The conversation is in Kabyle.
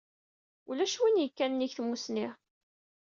Ulac win yekkan nnig tamusni.